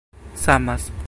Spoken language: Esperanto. samas